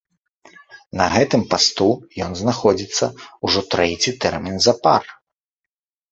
На гэтым пасту ён знаходзіцца ўжо трэці тэрмін запар.